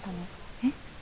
えっ？